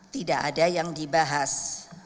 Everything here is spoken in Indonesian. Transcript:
tidak ada yang dibahas